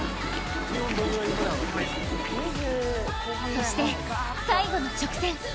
そして最後の直線。